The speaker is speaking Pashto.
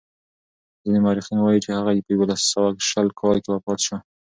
ځینې مورخین وايي چې هغه په یوولس سوه شل کال کې وفات شو.